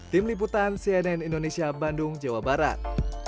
tim liputan cnn indonesia bandung jawa barat